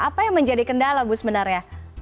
apa yang menjadi kendala bu sebenarnya